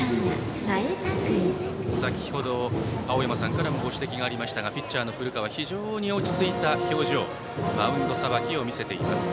先程、青山さんからもご指摘がありましたがピッチャーの古川は非常に落ち着いた表情マウンドさばきを見せています。